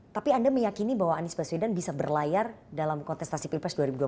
tapi anda meyakini bahwa anies baswedan bisa berlayar dalam kontestasi pilpres dua ribu dua puluh